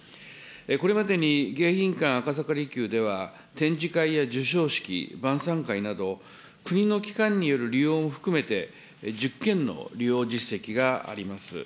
これまでに迎賓館、赤坂離宮では、展示会や授賞式、晩さん会など、国の機関による利用も含めて、１０件の利用実績があります。